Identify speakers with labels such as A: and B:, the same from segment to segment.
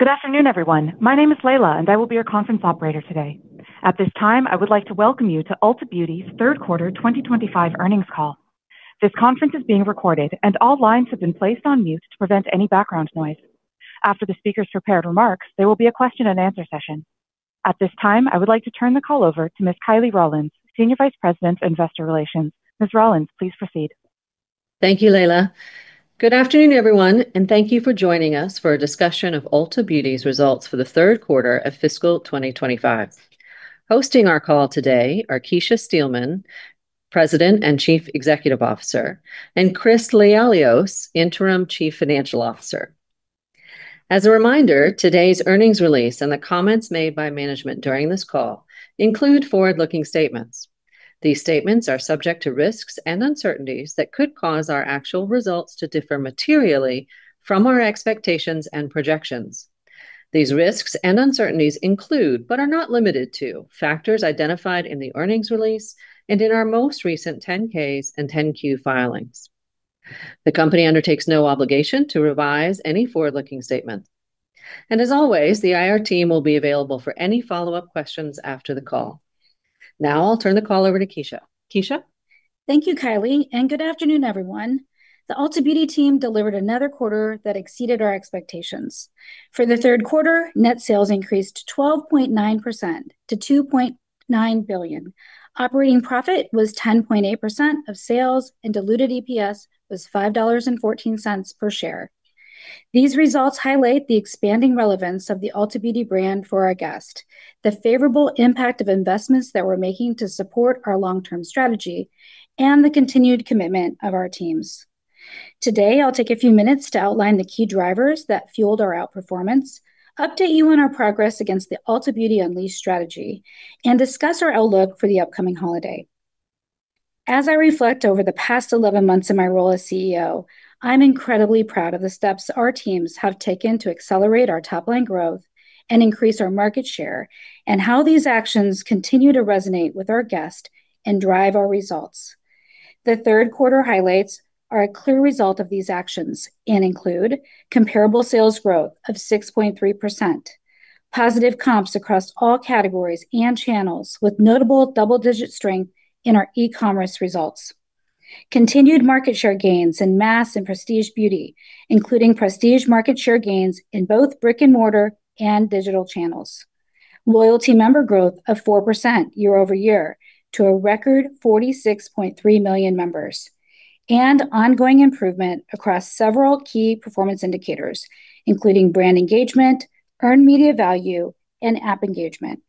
A: Good afternoon, everyone. My name is Leila, and I will be your conference operator today. At this time, I would like to welcome you to Ulta Beauty's Third Quarter 2025 Earnings Call. This conference is being recorded, and all lines have been placed on mute to prevent any background noise. After the speaker's prepared remarks, there will be a question-and-answer session. At this time, I would like to turn the call over to Ms. Kiley Rawlins, Senior Vice President of Investor Relations. Ms. Rawlins, please proceed.
B: Thank you, Leila. Good afternoon, everyone, and thank you for joining us for a discussion of Ulta Beauty's results for the third quarter of fiscal 2025. Hosting our call today are Kecia Steelman, President and Chief Executive Officer, and Chris Lialios, Interim Chief Financial Officer. As a reminder, today's earnings release and the comments made by management during this call include forward-looking statements. These statements are subject to risks and uncertainties that could cause our actual results to differ materially from our expectations and projections. These risks and uncertainties include, but are not limited to, factors identified in the earnings release and in our most recent 10-Ks and 10-Q filings. The company undertakes no obligation to revise any forward-looking statements. And as always, the IR team will be available for any follow-up questions after the call. Now I'll turn the call over to Kecia. Kecia?
C: Thank you, Kiley, and good afternoon, everyone. The Ulta Beauty team delivered another quarter that exceeded our expectations. For the third quarter, net sales increased 12.9% to $2.9 billion. Operating profit was 10.8% of sales, and diluted EPS was $5.14 per share. These results highlight the expanding relevance of the Ulta Beauty brand for our guest, the favorable impact of investments that we're making to support our long-term strategy, and the continued commitment of our teams. Today, I'll take a few minutes to outline the key drivers that fueled our outperformance, update you on our progress against the Ulta Beauty Unleashed strategy, and discuss our outlook for the upcoming holiday. As I reflect over the past 11 months in my role as CEO, I'm incredibly proud of the steps our teams have taken to accelerate our top-line growth and increase our market share, and how these actions continue to resonate with our guest and drive our results. The third quarter highlights are a clear result of these actions and include comparable sales growth of 6.3%, positive comps across all categories and channels with notable double-digit strength in our e-commerce results, continued market share gains in mass and prestige beauty, including prestige market share gains in both brick-and-mortar and digital channels, loyalty member growth of 4% year-over-year to a record 46.3 million members, and ongoing improvement across several key performance indicators, including brand engagement, earned media value, and app engagement.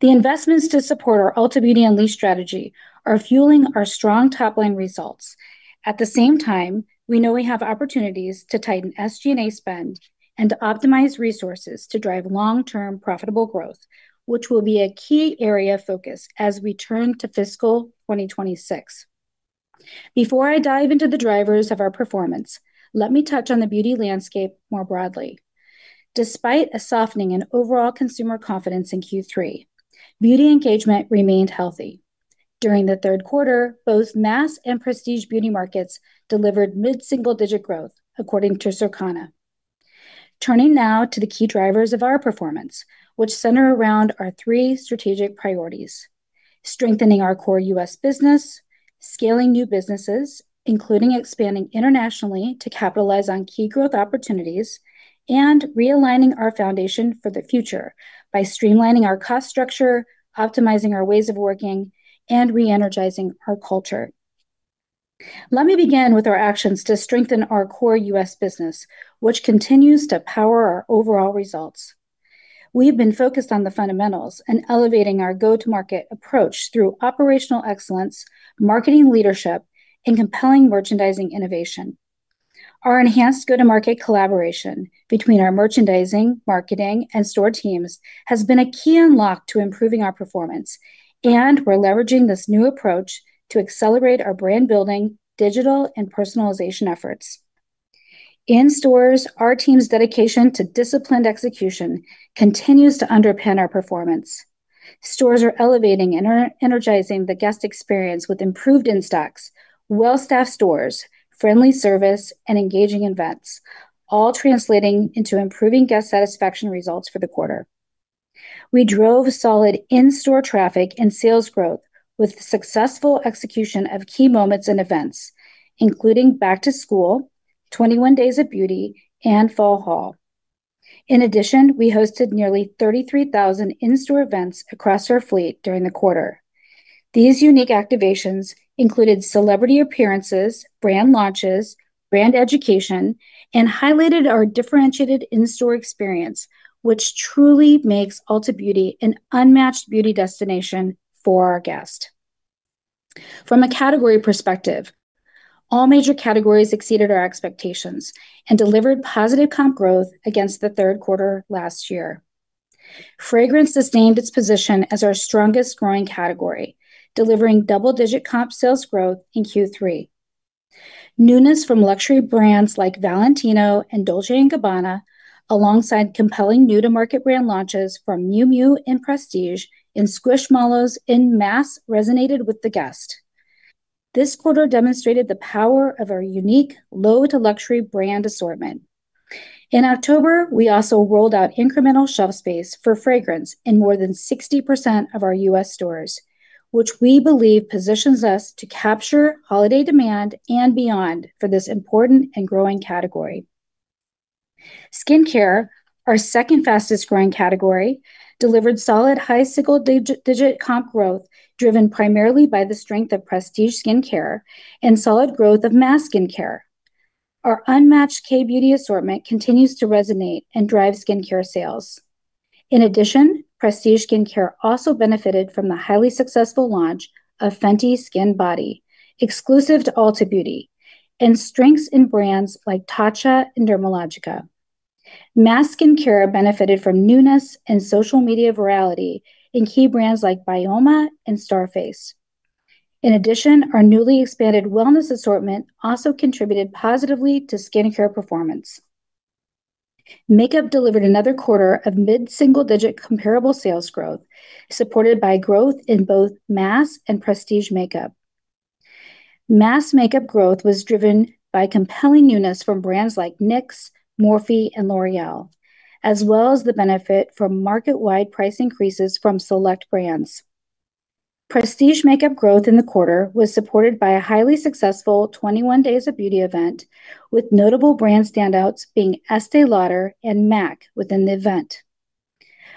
C: The investments to support our Ulta Beauty Unleashed strategy are fueling our strong top-line results. At the same time, we know we have opportunities to tighten SG&A spend and to optimize resources to drive long-term profitable growth, which will be a key area of focus as we turn to fiscal 2026. Before I dive into the drivers of our performance, let me touch on the beauty landscape more broadly. Despite a softening in overall consumer confidence in Q3, beauty engagement remained healthy. During the third quarter, both mass and prestige beauty markets delivered mid-single-digit growth, according to Circana. Turning now to the key drivers of our performance, which center around our three strategic priorities: strengthening our core U.S. business, scaling new businesses, including expanding internationally to capitalize on key growth opportunities, and realigning our foundation for the future by streamlining our cost structure, optimizing our ways of working, and re-energizing our culture. Let me begin with our actions to strengthen our core U.S. business, which continues to power our overall results. We have been focused on the fundamentals and elevating our go-to-market approach through operational excellence, marketing leadership, and compelling merchandising innovation. Our enhanced go-to-market collaboration between our merchandising, marketing, and store teams has been a key unlock to improving our performance, and we're leveraging this new approach to accelerate our brand-building, digital, and personalization efforts. In stores, our team's dedication to disciplined execution continues to underpin our performance. Stores are elevating and energizing the guest experience with improved in-stocks, well-staffed stores, friendly service, and engaging events, all translating into improving guest satisfaction results for the quarter. We drove solid in-store traffic and sales growth with successful execution of key moments and events, including Back to School, 21 Days of Beauty, and Fall Haul. In addition, we hosted nearly 33,000 in-store events across our fleet during the quarter. These unique activations included celebrity appearances, brand launches, brand education, and highlighted our differentiated in-store experience, which truly makes Ulta Beauty an unmatched beauty destination for our guest. From a category perspective, all major categories exceeded our expectations and delivered positive comp growth against the third quarter last year. Fragrance sustained its position as our strongest growing category, delivering double-digit comp sales growth in Q3. Newness from luxury brands like Valentino and Dolce & Gabbana, alongside compelling new-to-market brand launches from Miu Miu and prestige and Squishmallows in mass resonated with the guest. This quarter demonstrated the power of our unique low-to-luxury brand assortment. In October, we also rolled out incremental shelf space for fragrance in more than 60% of our U.S. stores, which we believe positions us to capture holiday demand and beyond for this important and growing category. Skincare, our second fastest growing category, delivered solid high single-digit comp growth driven primarily by the strength of prestige skincare and solid growth of mass skincare. Our unmatched K-Beauty assortment continues to resonate and drive skincare sales. In addition, Prestige skincare also benefited from the highly successful launch of Fenty Skin Body, exclusive to Ulta Beauty, and strengths in brands like Tatcha and Dermalogica. Mass skincare benefited from newness and social media virality in key brands like BYOMA and Starface. In addition, our newly expanded wellness assortment also contributed positively to skincare performance. Makeup delivered another quarter of mid-single-digit comparable sales growth, supported by growth in both mass and prestige makeup. Mass makeup growth was driven by compelling newness from brands like NYX, Morphe, and L'Oréal, as well as the benefit from market-wide price increases from select brands. Prestige makeup growth in the quarter was supported by a highly successful 21 Days of Beauty event, with notable brand standouts being Estée Lauder and MAC within the event.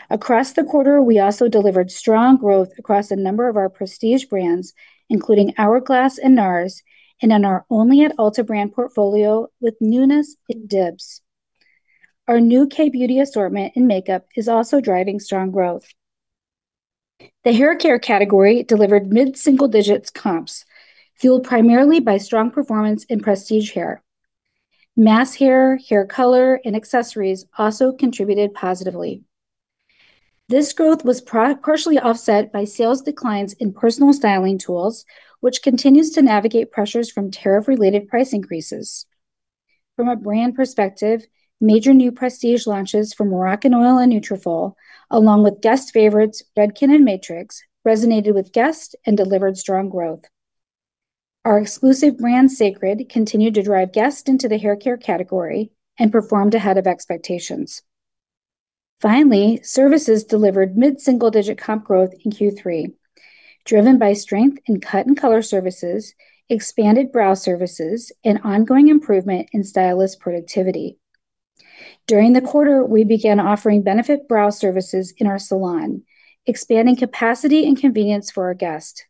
C: Across the quarter, we also delivered strong growth across a number of our prestige brands, including Hourglass and NARS, and in our Only at Ulta brand portfolio with new NEST and DIBS. Our new K-beauty assortment in makeup is also driving strong growth. The hair care category delivered mid-single-digits comps, fueled primarily by strong performance in prestige hair. Mass hair, hair color, and accessories also contributed positively. This growth was partially offset by sales declines in personal styling tools, which continues to navigate pressures from tariff-related price increases. From a brand perspective, major new prestige launches from Moroccanoil and Nutrafol, along with guest favorites Redken and Matrix, resonated with guests and delivered strong growth. Our exclusive brand Cécred continued to drive guests into the hair care category and performed ahead of expectations. Finally, services delivered mid-single-digit comp growth in Q3, driven by strength in cut-and-color services, expanded brow services, and ongoing improvement in stylist productivity. During the quarter, we began offering benefit brow services in our salon, expanding capacity and convenience for our guests.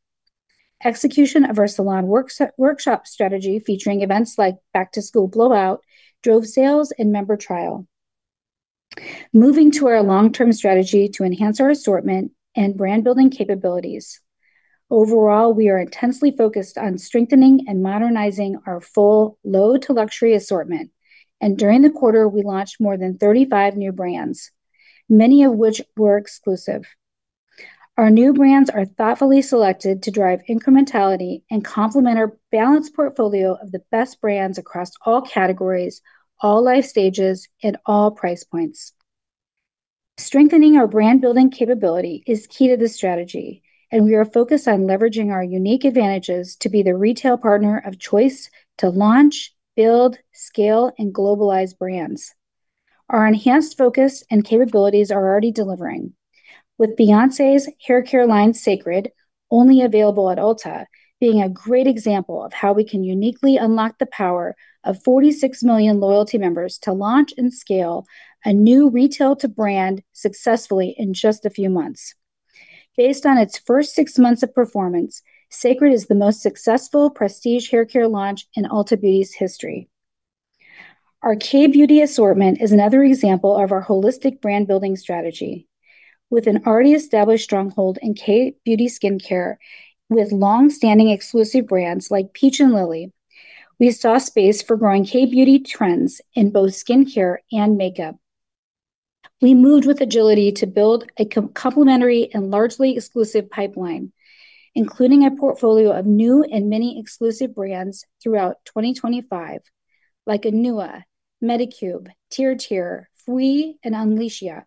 C: Execution of our salon workshop strategy featuring events like Back to School Blowout drove sales and member trial. Moving to our long-term strategy to enhance our assortment and brand-building capabilities. Overall, we are intensely focused on strengthening and modernizing our full low-to-luxury assortment, and during the quarter, we launched more than 35 new brands, many of which were exclusive. Our new brands are thoughtfully selected to drive incrementality and complement our balanced portfolio of the best brands across all categories, all life stages, and all price points. Strengthening our brand-building capability is key to the strategy, and we are focused on leveraging our unique advantages to be the retail partner of choice to launch, build, scale, and globalize brands. Our enhanced focus and capabilities are already delivering, with Beyoncé's hair care line Cécred, only available at Ulta, being a great example of how we can uniquely unlock the power of 46 million loyalty members to launch and scale a new retail-to-brand successfully in just a few months. Based on its first six months of performance, Cécred is the most successful prestige hair care launch in Ulta Beauty's history. Our K-beauty assortment is another example of our holistic brand-building strategy. With an already established stronghold in K-beauty skincare, with long-standing exclusive brands like Peach & Lily, we saw space for growing K-beauty trends in both skincare and makeup. We moved with agility to build a complementary and largely exclusive pipeline, including a portfolio of new and many exclusive brands throughout 2025, like Anua, medicube, TIRTIR, fwee, and Unleashia.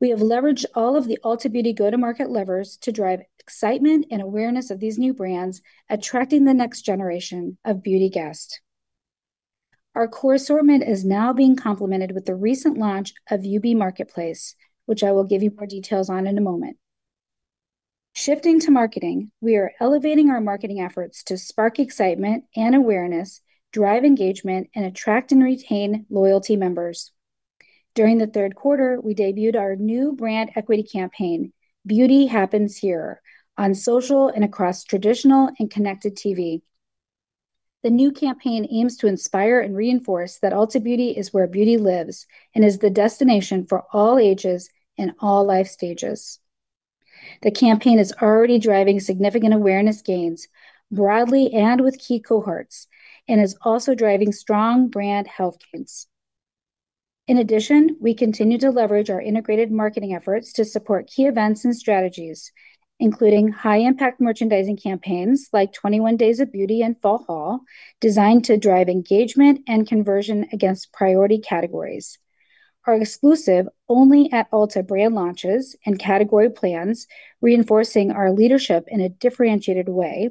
C: We have leveraged all of the Ulta Beauty go-to-market levers to drive excitement and awareness of these new brands, attracting the next generation of beauty guests. Our core assortment is now being complemented with the recent launch of UB Marketplace, which I will give you more details on in a moment. Shifting to marketing, we are elevating our marketing efforts to spark excitement and awareness, drive engagement, and attract and retain loyalty members. During the third quarter, we debuted our new brand equity campaign, "Beauty Happens Here," on social and across traditional and connected TV. The new campaign aims to inspire and reinforce that Ulta Beauty is where beauty lives and is the destination for all ages and all life stages. The campaign is already driving significant awareness gains broadly and with key cohorts and is also driving strong brand health gains. In addition, we continue to leverage our integrated marketing efforts to support key events and strategies, including high-impact merchandising campaigns like 21 Days of Beauty and Fall Haul, designed to drive engagement and conversion against priority categories. Our exclusive only at Ulta brand launches and category plans, reinforcing our leadership in a differentiated way,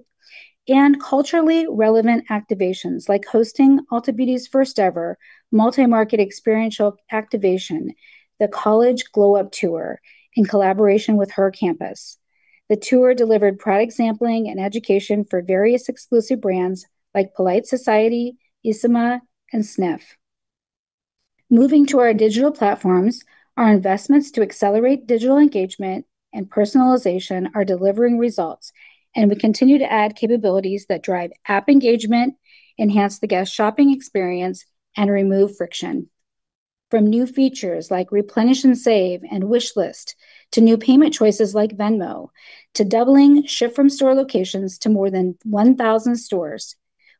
C: and culturally relevant activations like hosting Ulta Beauty's first-ever multi-market experiential activation, the College Glow Up Tour, in collaboration with Her Campus. The tour delivered product sampling and education for various exclusive brands like Polite Society, Isamaya, and Snif. Moving to our digital platforms, our investments to accelerate digital engagement and personalization are delivering results, and we continue to add capabilities that drive app engagement, enhance the guest shopping experience, and remove friction. From new features like Replenish & Save and Wishlist to new payment choices like Venmo to doubling ship-from-store locations to more than 1,000 stores,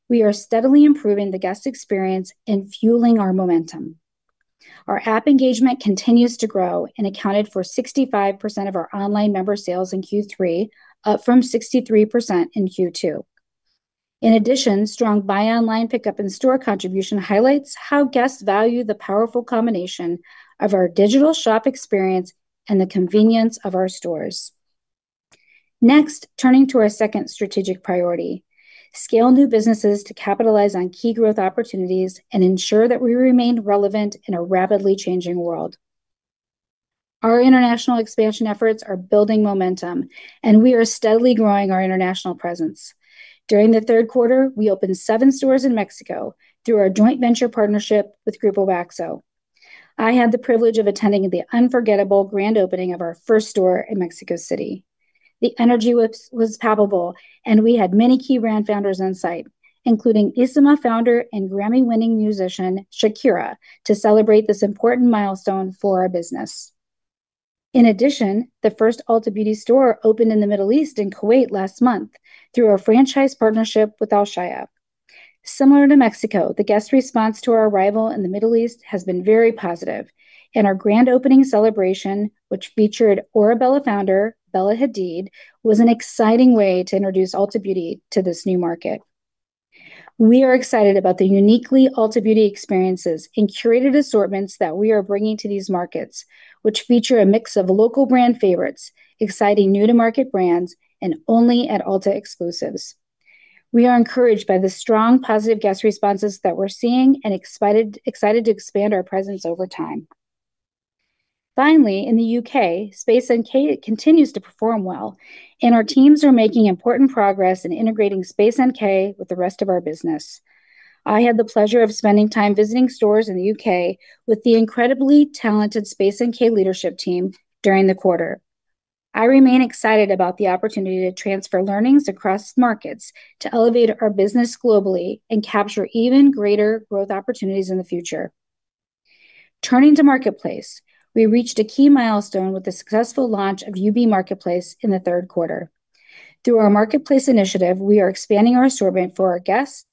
C: we are steadily improving the guest experience and fueling our momentum. Our app engagement continues to grow and accounted for 65% of our online member sales in Q3, up from 63% in Q2. In addition, strong buy-online pickup and store contribution highlights how guests value the powerful combination of our digital shop experience and the convenience of our stores. Next, turning to our second strategic priority, scale new businesses to capitalize on key growth opportunities and ensure that we remain relevant in a rapidly changing world. Our international expansion efforts are building momentum, and we are steadily growing our international presence. During the third quarter, we opened seven stores in Mexico through our joint venture partnership with Grupo Axo. I had the privilege of attending the unforgettable grand opening of our first store in Mexico City. The energy was palpable, and we had many key brand founders on site, including Isima founder and Grammy-winning musician Shakira, to celebrate this important milestone for our business. In addition, the first Ulta Beauty store opened in the Middle East in Kuwait last month through a franchise partnership with Alshaya. Similar to Mexico, the guest response to our arrival in the Middle East has been very positive, and our grand opening celebration, which featured Orebella founder Bella Hadid, was an exciting way to introduce Ulta Beauty to this new market. We are excited about the uniquely Ulta Beauty experiences and curated assortments that we are bringing to these markets, which feature a mix of local brand favorites, exciting new-to-market brands, and only at Ulta exclusives. We are encouraged by the strong positive guest responses that we're seeing and excited to expand our presence over time. Finally, in the U.K., Space NK continues to perform well, and our teams are making important progress in integrating Space NK with the rest of our business. I had the pleasure of spending time visiting stores in the U.K. with the incredibly talented Space NK leadership team during the quarter. I remain excited about the opportunity to transfer learnings across markets to elevate our business globally and capture even greater growth opportunities in the future. Turning to Marketplace, we reached a key milestone with the successful launch of UB Marketplace in the third quarter. Through our Marketplace initiative, we are expanding our assortment for our guests,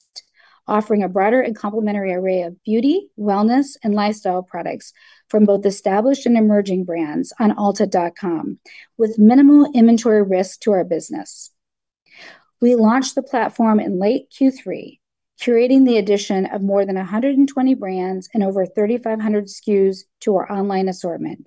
C: offering a broader and complementary array of beauty, wellness, and lifestyle products from both established and emerging brands on ulta.com with minimal inventory risk to our business. We launched the platform in late Q3, curating the addition of more than 120 brands and over 3,500 SKUs to our online assortment.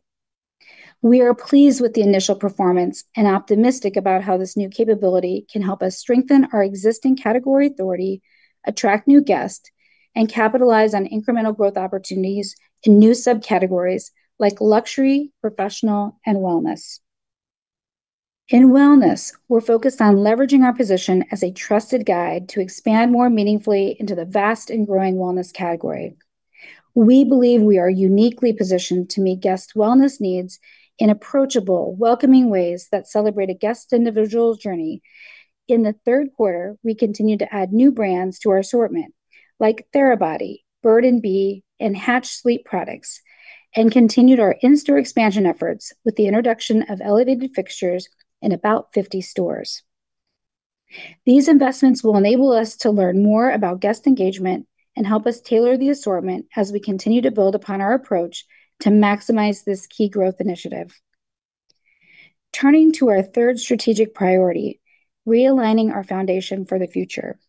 C: We are pleased with the initial performance and optimistic about how this new capability can help us strengthen our existing category authority, attract new guests, and capitalize on incremental growth opportunities in new subcategories like luxury, professional, and wellness. In wellness, we're focused on leveraging our position as a trusted guide to expand more meaningfully into the vast and growing wellness category. We believe we are uniquely positioned to meet guest wellness needs in approachable, welcoming ways that celebrate a guest individual's journey. In the third quarter, we continued to add new brands to our assortment, like Therabody, Bird&Be, and Hatch sleep products, and continued our in-store expansion efforts with the introduction of elevated fixtures in about 50 stores. These investments will enable us to learn more about guest engagement and help us tailor the assortment as we continue to build upon our approach to maximize this key growth initiative. Turning to our third strategic priority, re-aligning our foundation for the future.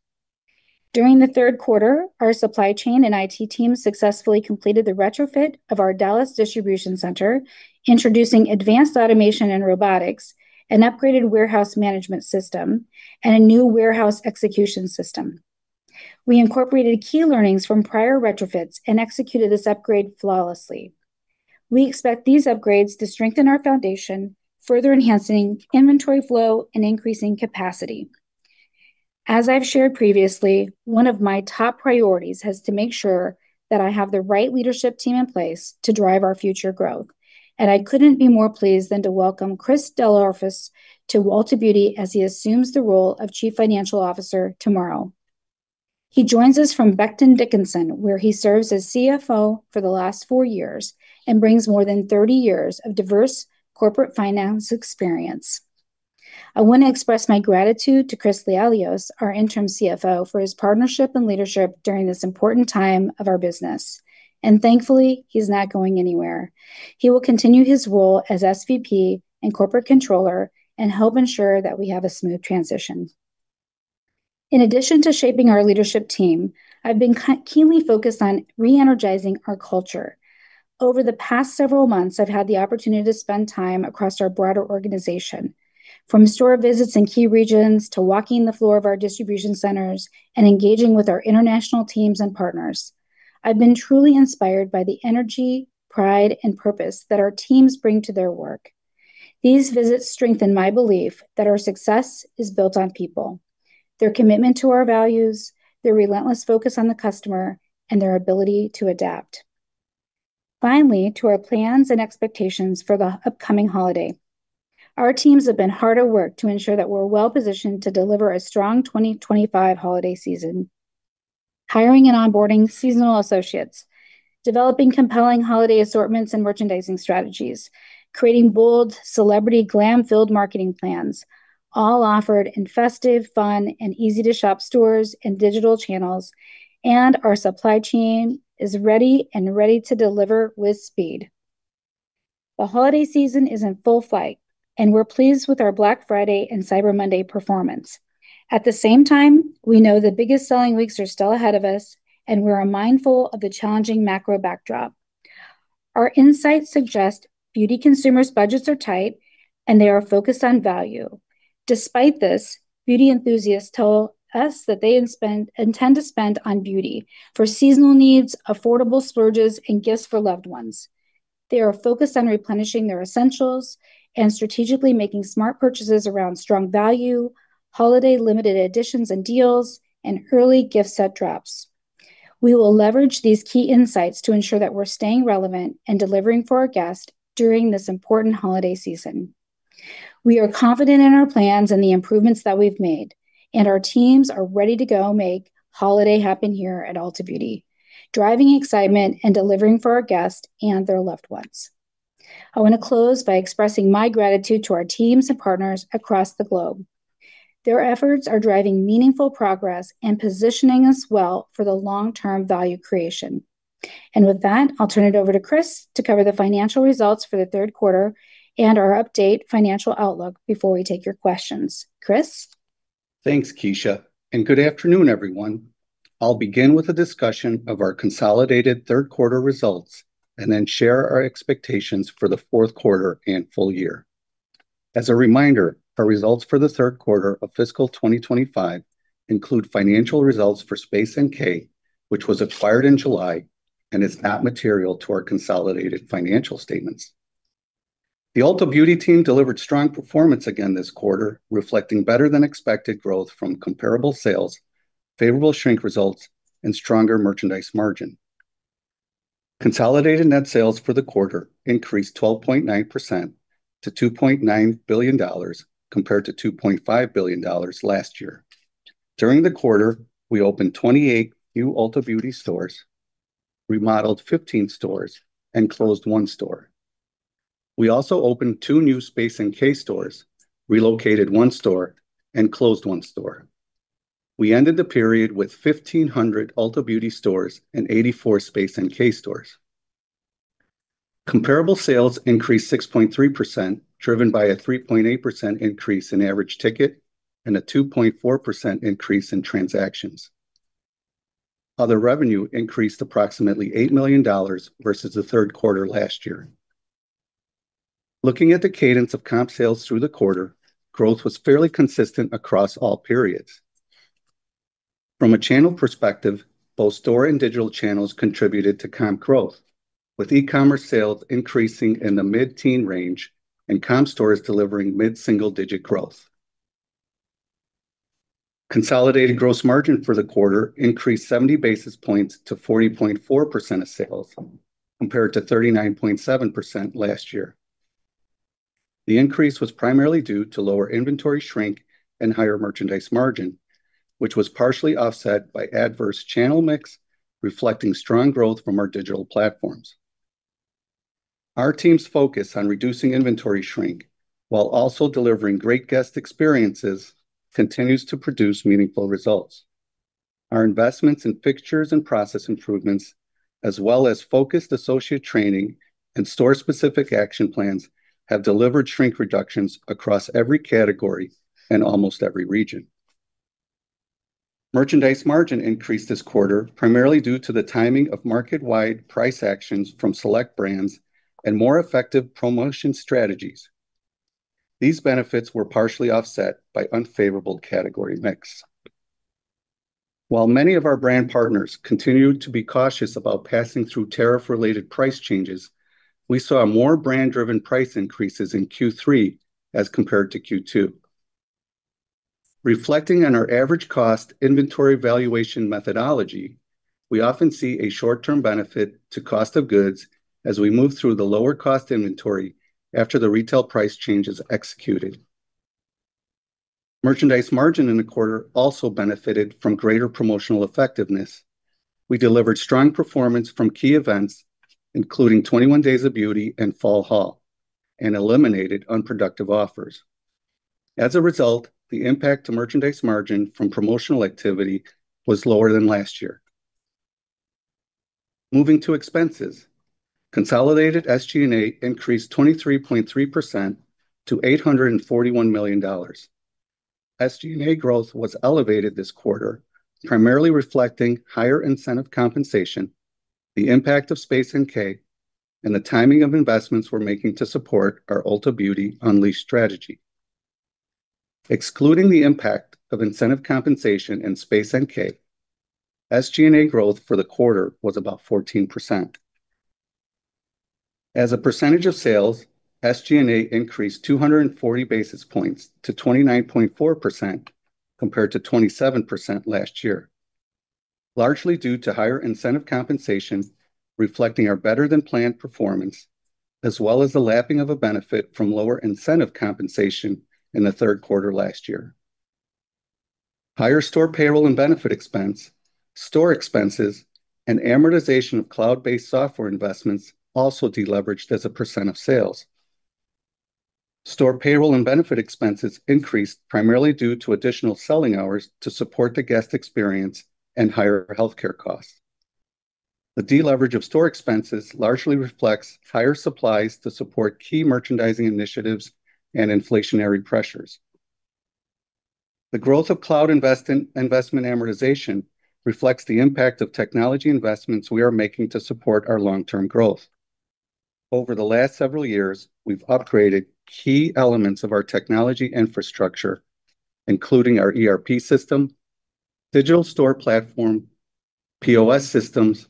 C: During the third quarter, our supply chain and IT team successfully completed the retrofit of our Dallas distribution center, introducing advanced automation and robotics, an upgraded warehouse management system, and a new warehouse execution system. We incorporated key learnings from prior retrofits and executed this upgrade flawlessly. We expect these upgrades to strengthen our foundation, further enhancing inventory flow and increasing capacity. As I've shared previously, one of my top priorities has to make sure that I have the right leadership team in place to drive our future growth, and I couldn't be more pleased than to welcome Chris DelOrefice to Ulta Beauty as he assumes the role of Chief Financial Officer tomorrow. He joins us from Becton Dickinson, where he serves as CFO for the last four years and brings more than 30 years of diverse corporate finance experience. I want to express my gratitude to Chris Lialios, our Interim CFO, for his partnership and leadership during this important time of our business, and thankfully, he's not going anywhere. He will continue his role as SVP and corporate controller and help ensure that we have a smooth transition. In addition to shaping our leadership team, I've been keenly focused on re-energizing our culture. Over the past several months, I've had the opportunity to spend time across our broader organization, from store visits in key regions to walking the floor of our distribution centers and engaging with our international teams and partners. I've been truly inspired by the energy, pride, and purpose that our teams bring to their work. These visits strengthen my belief that our success is built on people, their commitment to our values, their relentless focus on the customer, and their ability to adapt. Finally, to our plans and expectations for the upcoming holiday, our teams have been hard at work to ensure that we're well-positioned to deliver a strong 2025 holiday season, hiring and onboarding seasonal associates, developing compelling holiday assortments and merchandising strategies, creating bold celebrity glam-filled marketing plans, all offered in festive, fun, and easy-to-shop stores and digital channels, and our supply chain is ready to deliver with speed. The holiday season is in full flight, and we're pleased with our Black Friday and Cyber Monday performance. At the same time, we know the biggest selling weeks are still ahead of us, and we're mindful of the challenging macro backdrop. Our insights suggest beauty consumers' budgets are tight, and they are focused on value. Despite this, beauty enthusiasts tell us that they intend to spend on beauty for seasonal needs, affordable splurges, and gifts for loved ones. They are focused on replenishing their essentials and strategically making smart purchases around strong value, holiday limited editions and deals, and early gift set drops. We will leverage these key insights to ensure that we're staying relevant and delivering for our guests during this important holiday season. We are confident in our plans and the improvements that we've made, and our teams are ready to go make holiday happen here at Ulta Beauty, driving excitement and delivering for our guests and their loved ones. I want to close by expressing my gratitude to our teams and partners across the globe. Their efforts are driving meaningful progress and positioning us well for the long-term value creation. And with that, I'll turn it over to Chris to cover the financial results for the third quarter and our update financial outlook before we take your questions. Chris?
D: Thanks, Kecia. And good afternoon, everyone. I'll begin with a discussion of our consolidated third-quarter results and then share our expectations for the fourth quarter and full year. As a reminder, our results for the third quarter of fiscal 2025 include financial results for Space NK, which was acquired in July and is not material to our consolidated financial statements. The Ulta Beauty team delivered strong performance again this quarter, reflecting better-than-expected growth from comparable sales, favorable shrink results, and stronger merchandise margin. Consolidated net sales for the quarter increased 12.9% to $2.9 billion compared to $2.5 billion last year. During the quarter, we opened 28 new Ulta Beauty stores, remodeled 15 stores, and closed one store. We also opened two new Space NK stores, relocated one store, and closed one store. We ended the period with 1,500 Ulta Beauty stores and 84 Space NK stores. Comparable sales increased 6.3%, driven by a 3.8% increase in average ticket and a 2.4% increase in transactions. Other revenue increased approximately $8 million versus the third quarter last year. Looking at the cadence of comp sales through the quarter, growth was fairly consistent across all periods. From a channel perspective, both store and digital channels contributed to comp growth, with e-commerce sales increasing in the mid-teen range and comp stores delivering mid-single-digit growth. Consolidated gross margin for the quarter increased 70 basis points to 40.4% of sales compared to 39.7% last year. The increase was primarily due to lower inventory shrink and higher merchandise margin, which was partially offset by adverse channel mix, reflecting strong growth from our digital platforms. Our team's focus on reducing inventory shrink while also delivering great guest experiences continues to produce meaningful results. Our investments in fixtures and process improvements, as well as focused associate training and store-specific action plans, have delivered shrink reductions across every category and almost every region. Merchandise margin increased this quarter primarily due to the timing of market-wide price actions from select brands and more effective promotion strategies. These benefits were partially offset by unfavorable category mix. While many of our brand partners continued to be cautious about passing through tariff-related price changes, we saw more brand-driven price increases in Q3 as compared to Q2. Reflecting on our average cost inventory valuation methodology, we often see a short-term benefit to cost of goods as we move through the lower-cost inventory after the retail price changes executed. Merchandise margin in the quarter also benefited from greater promotional effectiveness. We delivered strong performance from key events, including 21 Days of Beauty and Fall Haul, and eliminated unproductive offers. As a result, the impact to merchandise margin from promotional activity was lower than last year. Moving to expenses, consolidated SG&A increased 23.3% to $841 million. SG&A growth was elevated this quarter, primarily reflecting higher incentive compensation, the impact of Space NK, and the timing of investments we're making to support our Ulta Beauty Unleashed strategy. Excluding the impact of incentive compensation and Space NK, SG&A growth for the quarter was about 14%. As a percentage of sales, SG&A increased 240 basis points to 29.4% compared to 27% last year, largely due to higher incentive compensation reflecting our better-than-planned performance, as well as the lapping of a benefit from lower incentive compensation in the third quarter last year. Higher store payroll and benefit expense, store expenses, and amortization of cloud-based software investments also deleveraged as a percent of sales. Store payroll and benefit expenses increased primarily due to additional selling hours to support the guest experience and higher healthcare costs. The deleverage of store expenses largely reflects higher supplies to support key merchandising initiatives and inflationary pressures. The growth of cloud investment amortization reflects the impact of technology investments we are making to support our long-term growth. Over the last several years, we've upgraded key elements of our technology infrastructure, including our ERP system, digital store platform, POS systems,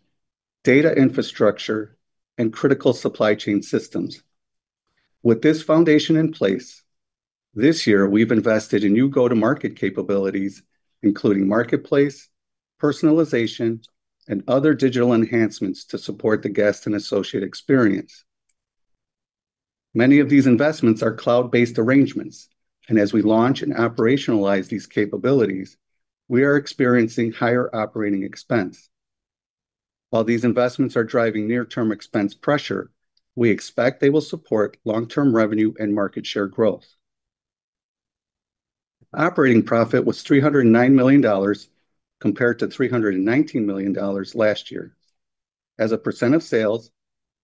D: data infrastructure, and critical supply chain systems. With this foundation in place, this year, we've invested in new go-to-market capabilities, including marketplace, personalization, and other digital enhancements to support the guest and associate experience. Many of these investments are cloud-based arrangements, and as we launch and operationalize these capabilities, we are experiencing higher operating expense. While these investments are driving near-term expense pressure, we expect they will support long-term revenue and market share growth. Operating profit was $309 million compared to $319 million last year. As a percent of sales,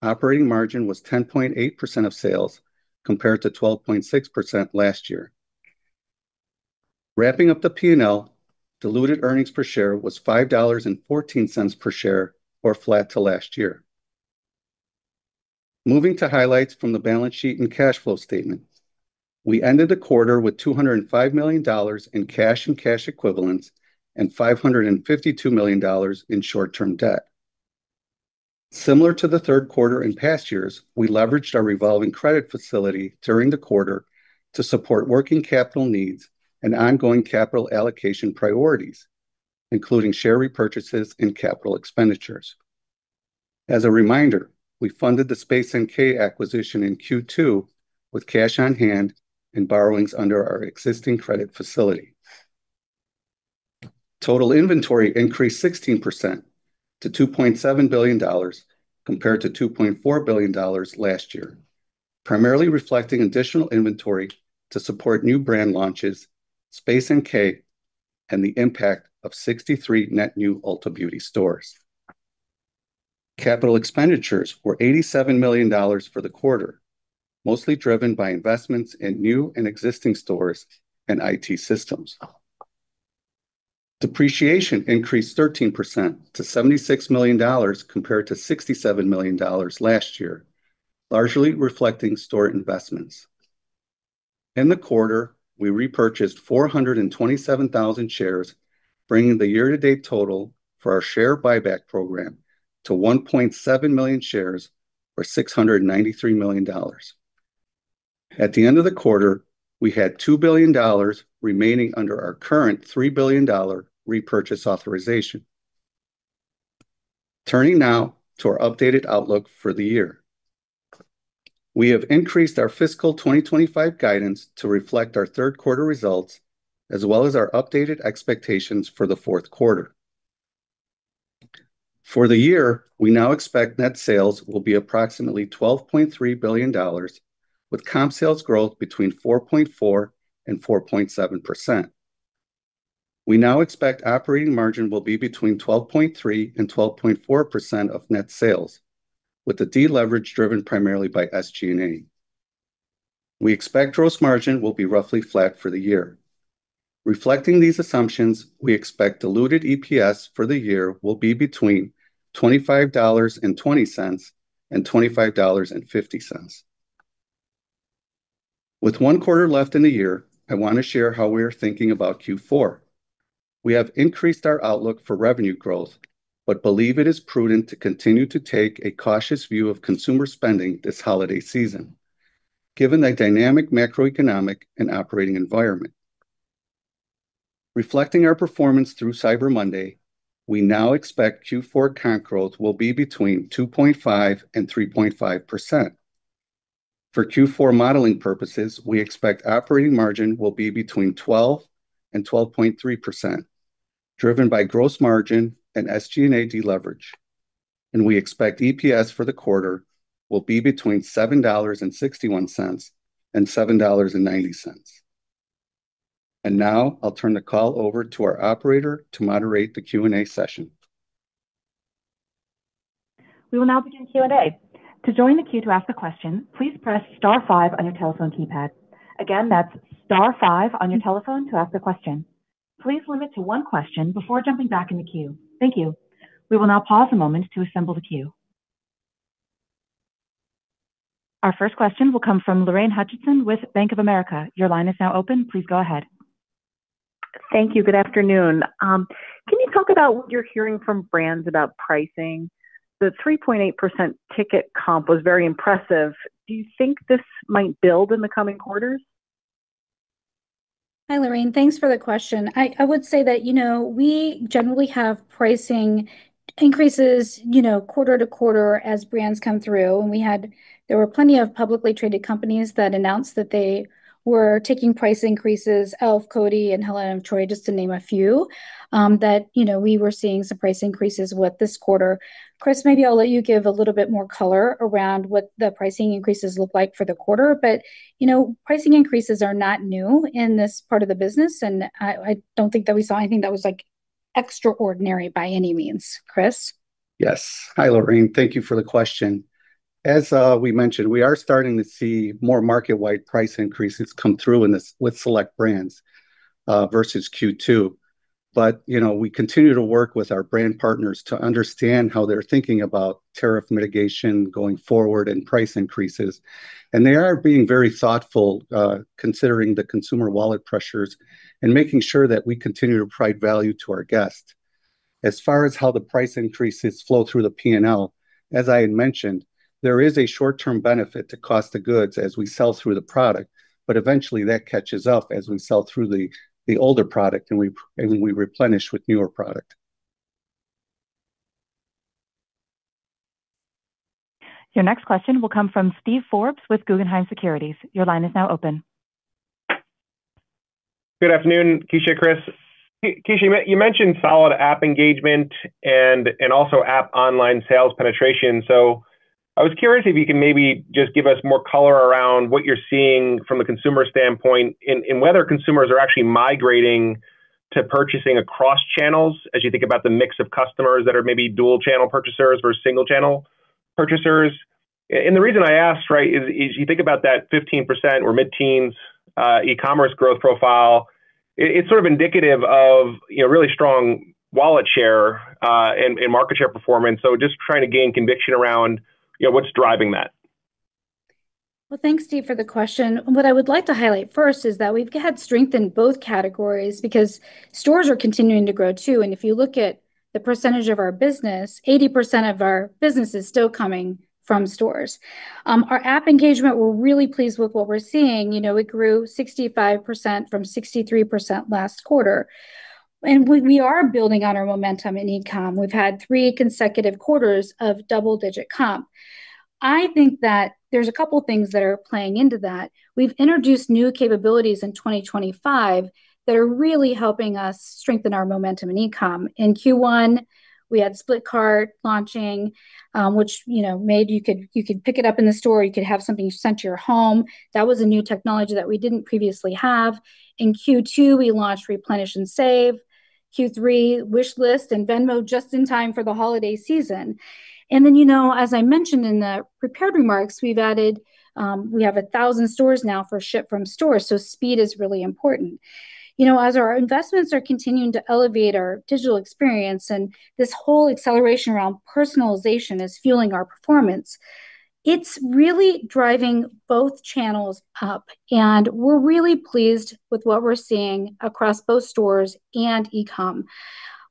D: operating margin was 10.8% of sales compared to 12.6% last year. Wrapping up the P&L, diluted earnings per share was $5.14 per share, or flat to last year. Moving to highlights from the balance sheet and cash flow statement. We ended the quarter with $205 million in cash and cash equivalents and $552 million in short-term debt. Similar to the third quarter in past years, we leveraged our revolving credit facility during the quarter to support working capital needs and ongoing capital allocation priorities, including share repurchases and capital expenditures. As a reminder, we funded the Space NK acquisition in Q2 with cash on hand and borrowings under our existing credit facility. Total inventory increased 16% to $2.7 billion compared to $2.4 billion last year, primarily reflecting additional inventory to support new brand launches, Space NK, and the impact of 63 net new Ulta Beauty stores. Capital expenditures were $87 million for the quarter, mostly driven by investments in new and existing stores and IT systems. Depreciation increased 13% to $76 million compared to $67 million last year, largely reflecting store investments. In the quarter, we repurchased 427,000 shares, bringing the year-to-date total for our share buyback program to 1.7 million shares for $693 million. At the end of the quarter, we had $2 billion remaining under our current $3 billion repurchase authorization. Turning now to our updated outlook for the year, we have increased our fiscal 2025 guidance to reflect our third-quarter results, as well as our updated expectations for the fourth quarter. For the year, we now expect net sales will be approximately $12.3 billion, with comp sales growth between 4.4% and 4.7%. We now expect operating margin will be between 12.3% and 12.4% of net sales, with the deleverage driven primarily by SG&A. We expect gross margin will be roughly flat for the year. Reflecting these assumptions, we expect diluted EPS for the year will be between $25.20 and $25.50. With one quarter left in the year, I want to share how we are thinking about Q4. We have increased our outlook for revenue growth, but believe it is prudent to continue to take a cautious view of consumer spending this holiday season, given the dynamic macroeconomic and operating environment. Reflecting our performance through Cyber Monday, we now expect Q4 comp growth will be between 2.5% and 3.5%. For Q4 modeling purposes, we expect operating margin will be between 12% and 12.3%, driven by gross margin and SG&A deleverage. And we expect EPS for the quarter will be between $7.61 and $7.90. And now I'll turn the call over to our operator to moderate the Q&A session.
A: We will now begin Q&A. To join the queue to ask a question, please press star five on your telephone keypad. Again, that's star five on your telephone to ask a question. Please limit to one question before jumping back in the queue. Thank you. We will now pause a moment to assemble the queue. Our first question will come from Lorraine Hutchinson with Bank of America. Your line is now open. Please go ahead.
E: Thank you. Good afternoon. Can you talk about what you're hearing from brands about pricing? The 3.8% ticket comp was very impressive. Do you think this might build in the coming quarters?
C: Hi, Lorraine. Thanks for the question. I would say that we generally have pricing increases quarter to quarter as brands come through. There were plenty of publicly traded companies that announced that they were taking price increases: e.l.f., Coty, and Helen of Troy, just to name a few, that we were seeing some price increases with this quarter. Chris, maybe I'll let you give a little bit more color around what the pricing increases look like for the quarter. Pricing increases are not new in this part of the business, and I don't think that we saw anything that was extraordinary by any means. Chris?
D: Yes. Hi, Lorraine. Thank you for the question. As we mentioned, we are starting to see more market-wide price increases come through with select brands versus Q2. But we continue to work with our brand partners to understand how they're thinking about tariff mitigation going forward and price increases. And they are being very thoughtful, considering the consumer wallet pressures and making sure that we continue to provide value to our guests. As far as how the price increases flow through the P&L, as I had mentioned, there is a short-term benefit to cost of goods as we sell through the product, but eventually that catches up as we sell through the older product and we replenish with newer product.
A: Your next question will come from Steve Forbes with Guggenheim Securities. Your line is now open.
F: Good afternoon, Kecia and Chris. Kecia, you mentioned solid app engagement and also app online sales penetration. I was curious if you can maybe just give us more color around what you're seeing from the consumer standpoint and whether consumers are actually migrating to purchasing across channels as you think about the mix of customers that are maybe dual-channel purchasers versus single-channel purchasers. And the reason I asked, right, is you think about that 15% or mid-teens e-commerce growth profile, it's sort of indicative of really strong wallet share and market share performance. So just trying to gain conviction around what's driving that.
C: Thanks, Steve, for the question. What I would like to highlight first is that we've had strength in both categories because stores are continuing to grow too. And if you look at the percentage of our business, 80% of our business is still coming from stores. Our app engagement, we're really pleased with what we're seeing. It grew 65% from 63% last quarter. And we are building on our momentum in e-comm. We've had three consecutive quarters of double-digit comp. I think that there's a couple of things that are playing into that. We've introduced new capabilities in 2025 that are really helping us strengthen our momentum in e-comm. In Q1, we had Split Cart launching, which made you could pick it up in the store. You could have something sent to your home. That was a new technology that we didn't previously have. In Q2, we launched Replenish & Save. Q3, Wishlist and Venmo just in time for the holiday season. And then, as I mentioned in the prepared remarks, we have 1,000 stores now for ship from store. So speed is really important. As our investments are continuing to elevate our digital experience and this whole acceleration around personalization is fueling our performance, it's really driving both channels up. And we're really pleased with what we're seeing across both stores and e-comm.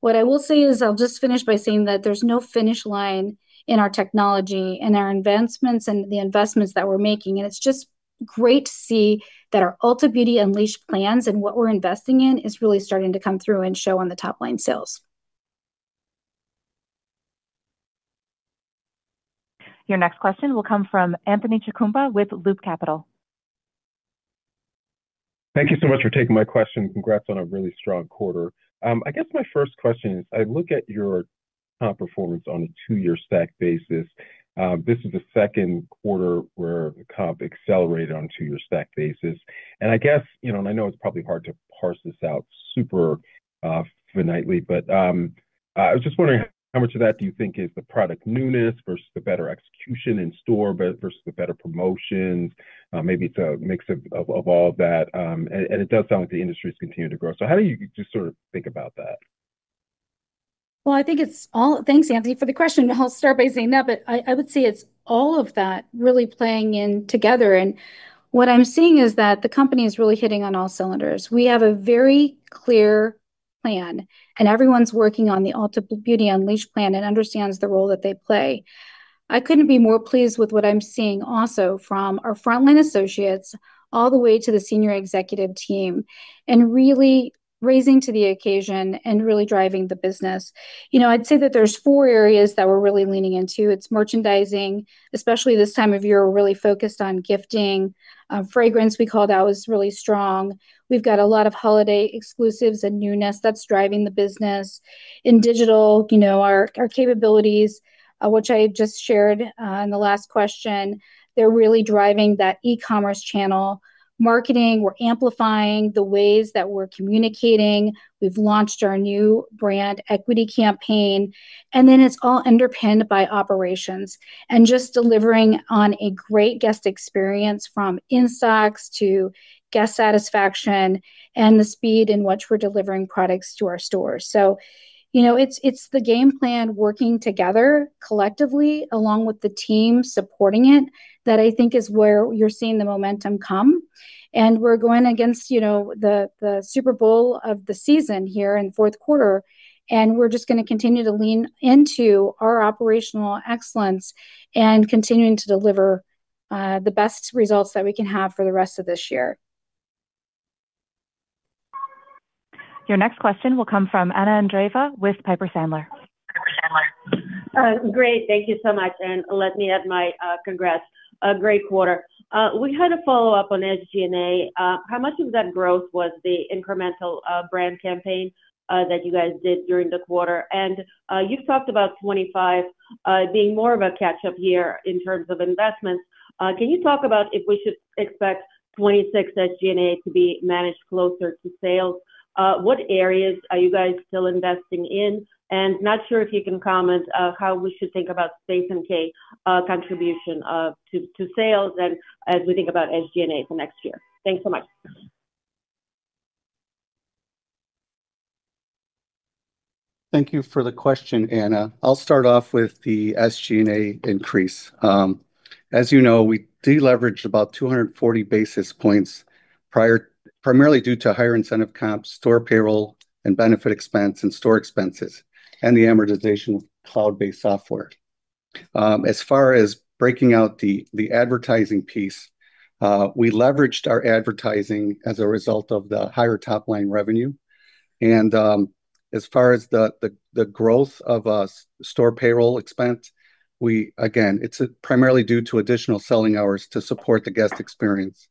C: What I will say is I'll just finish by saying that there's no finish line in our technology and our investments and the investments that we're making. And it's just great to see that our Ulta Beauty Unleashed plans and what we're investing in is really starting to come through and show on the top-line sales.
A: Your next question will come from Anthony Chukumba with Loop Capital.
G: Thank you so much for taking my question. Congrats on a really strong quarter. I guess my first question is, I look at your comp performance on a two-year stack basis. This is the second quarter where the comp accelerated on a two-year stack basis. I guess, and I know it's probably hard to parse this out super finitely, but I was just wondering how much of that do you think is the product newness versus the better execution in store versus the better promotions? Maybe it's a mix of all of that. It does sound like the industry is continuing to grow. How do you just sort of think about that?
C: I think it's all. Thanks, Anthony, for the question. I'll start by saying that, but I would say it's all of that really playing in together. What I'm seeing is that the company is really hitting on all cylinders. We have a very clear plan, and everyone's working on the Ulta Beauty Unleashed plan and understands the role that they play. I couldn't be more pleased with what I'm seeing also from our frontline associates all the way to the Senior Executive team and really raising to the occasion and really driving the business. I'd say that there's four areas that we're really leaning into. It's merchandising, especially this time of year, we're really focused on gifting. Fragrance, we call that, was really strong. We've got a lot of holiday exclusives and newness that's driving the business. In digital, our capabilities, which I just shared in the last question, they're really driving that e-commerce channel. Marketing, we're amplifying the ways that we're communicating. We've launched our new brand equity campaign. And then it's all underpinned by operations and just delivering on a great guest experience from in-stocks to guest satisfaction and the speed in which we're delivering products to our stores. So it's the game plan working together collectively along with the team supporting it that I think is where you're seeing the momentum come. And we're going against the Super Bowl of the season here in fourth quarter, and we're just going to continue to lean into our operational excellence and continuing to deliver the best results that we can have for the rest of this year.
A: Your next question will come from Anna Andreeva with Piper Sandler.
H: Great. Thank you so much. And let me add my congrats. A great quarter. We had a follow-up on SG&A. How much of that growth was the incremental brand campaign that you guys did during the quarter? And you've talked about 2025 being more of a catch-up year in terms of investments. Can you talk about if we should expect 2026 SG&A to be managed closer to sales? What areas are you guys still investing in? And not sure if you can comment how we should think about Space NK contribution to sales and as we think about SG&A for next year. Thanks so much.
D: Thank you for the question, Anna. I'll start off with the SG&A increase. As you know, we deleveraged about 240 basis points primarily due to higher incentive comps, store payroll and benefit expense, and store expenses, and the amortization of cloud-based software. As far as breaking out the advertising piece, we leveraged our advertising as a result of the higher top-line revenue. And as far as the growth of store payroll expense, again, it's primarily due to additional selling hours to support the guest experience.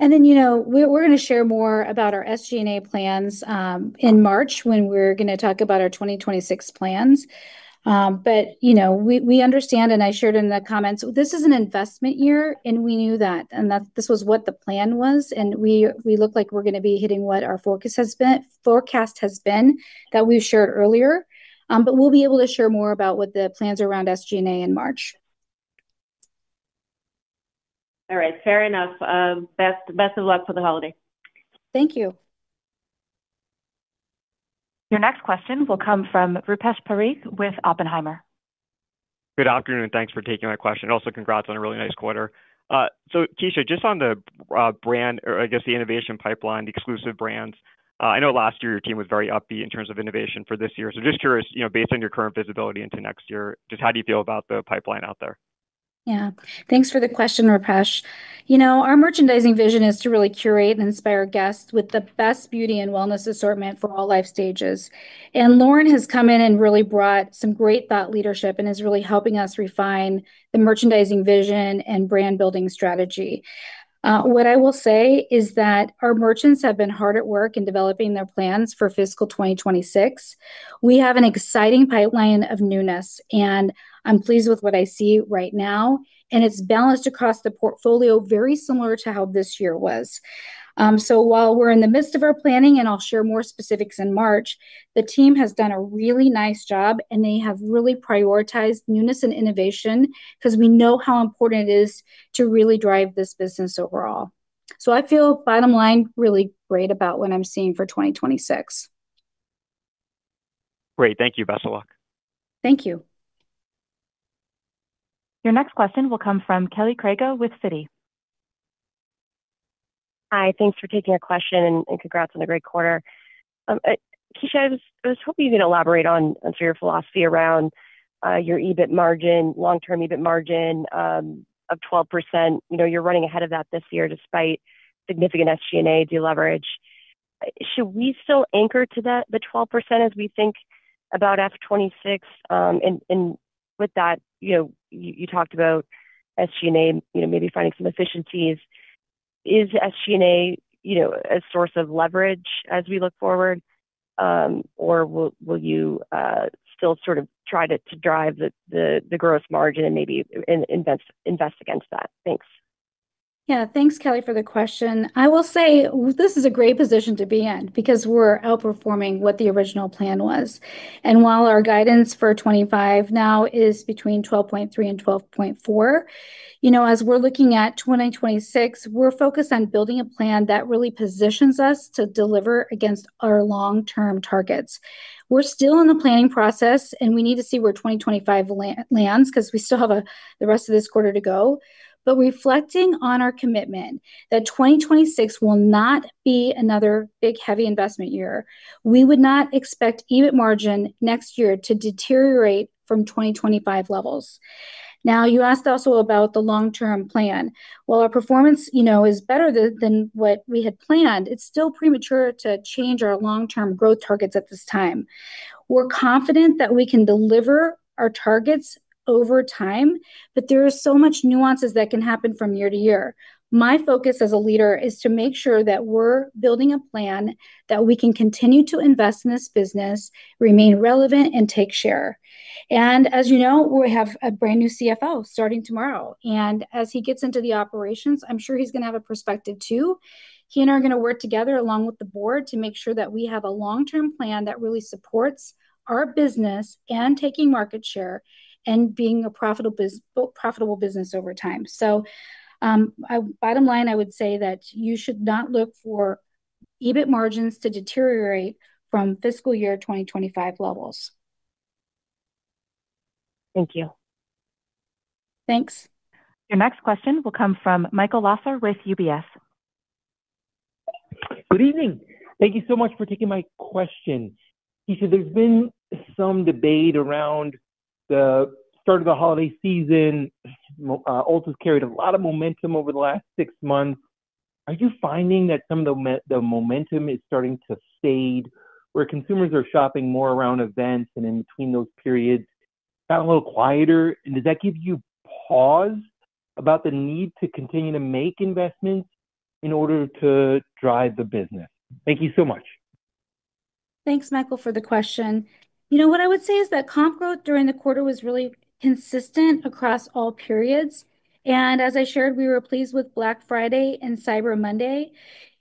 C: And then we're going to share more about our SG&A plans in March when we're going to talk about our 2026 plans. But we understand, and I shared in the comments, this is an investment year, and we knew that. And this was what the plan was. And we look like we're going to be hitting what our forecast has been that we've shared earlier. But we'll be able to share more about what the plans are around SG&A in March.
H: All right. Fair enough. Best of luck for the holiday.
C: Thank you.
A: Your next question will come from Rupesh Parikh with Oppenheimer.
I: Good afternoon. Thanks for taking my question. Also, congrats on a really nice quarter. So, Kecia, just on the brand, or I guess the innovation pipeline, the exclusive brands, I know last year your team was very upbeat in terms of innovation for this year. So just curious, based on your current visibility into next year, just how do you feel about the pipeline out there?
C: Yeah. Thanks for the question, Rupesh. Our merchandising vision is to really curate and inspire guests with the best beauty and wellness assortment for all life stages, and Lauren has come in and really brought some great thought leadership and is really helping us refine the merchandising vision and brand-building strategy. What I will say is that our merchants have been hard at work in developing their plans for Fiscal 2026. We have an exciting pipeline of newness, and I'm pleased with what I see right now, and it's balanced across the portfolio very similar to how this year was, so while we're in the midst of our planning, and I'll share more specifics in March, the team has done a really nice job, and they have really prioritized newness and innovation because we know how important it is to really drive this business overall. So I feel, bottom line, really great about what I'm seeing for 2026.
I: Great. Thank you. Best of luck.
C: Thank you.
A: Your next question will come from Kelly Crago with Citi.
J: Hi. Thanks for taking a question, and congrats on a great quarter. Kecia, I was hoping you could elaborate on your philosophy around your EBIT margin, long-term EBIT margin of 12%. You're running ahead of that this year despite significant SG&A deleverage. Should we still anchor to the 12% as we think about F26? And with that, you talked about SG&A maybe finding some efficiencies. Is SG&A a source of leverage as we look forward, or will you still sort of try to drive the gross margin and maybe invest against that? Thanks.
C: Yeah. Thanks, Kelly, for the question. I will say this is a great position to be in because we're outperforming what the original plan was. While our guidance for 2025 now is between 12.3% and 12.4%, as we're looking at 2026, we're focused on building a plan that really positions us to deliver against our long-term targets. We're still in the planning process, and we need to see where 2025 lands because we still have the rest of this quarter to go. But reflecting on our commitment that 2026 will not be another big heavy investment year, we would not expect EBIT margin next year to deteriorate from 2025 levels. Now, you asked also about the long-term plan. While our performance is better than what we had planned, it's still premature to change our long-term growth targets at this time. We're confident that we can deliver our targets over time, but there are so many nuances that can happen from year-to-year. My focus as a leader is to make sure that we're building a plan that we can continue to invest in this business, remain relevant, and take share. And as you know, we have a brand new CFO starting tomorrow. And as he gets into the operations, I'm sure he's going to have a perspective too. He and I are going to work together along with the board to make sure that we have a long-term plan that really supports our business and taking market share and being a profitable business over time. So bottom line, I would say that you should not look for EBIT margins to deteriorate from fiscal year 2025 levels.
J: Thank you.
C: Thanks.
A: Your next question will come from Michael Lasser with UBS.
K: Good evening. Thank you so much for taking my question. Kecia, there's been some debate around the start of the holiday season. Ulta's carried a lot of momentum over the last six months. Are you finding that some of the momentum is starting to fade where consumers are shopping more around events and in between those periods got a little quieter? And does that give you pause about the need to continue to make investments in order to drive the business? Thank you so much.
C: Thanks, Michael, for the question. You know what I would say is that comp growth during the quarter was really consistent across all periods. And as I shared, we were pleased with Black Friday and Cyber Monday.